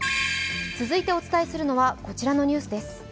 続いてお伝えするのは、こちらのニュースです。